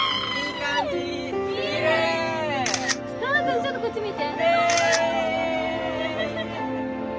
ちょっとこっち向いて。